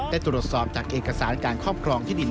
ได้ตรวจสอบจากเอกสารการครอบครองที่ดิน